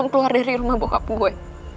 sama lo keluar dari rumah bokap gue